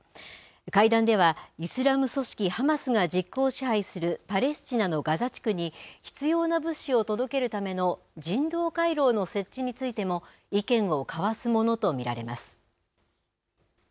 会談ではイスラム組織ハマスが実効支配するパレスチナのガザ地区に必要な物資を届けるための人道回廊の設置についても意見を交わすものと見られます。